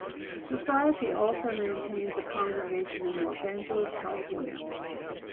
The Society also maintains a congregation in Los Angeles California.